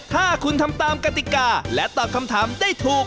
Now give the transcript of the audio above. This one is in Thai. ถ้าคุณทำตามกติกาและตอบคำถามได้ถูก